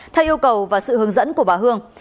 theo yêu cầu và sự hướng dẫn của bà hương